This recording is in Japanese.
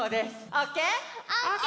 オッケー！